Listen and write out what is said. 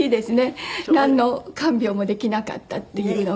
なんの看病もできなかったっていうのが。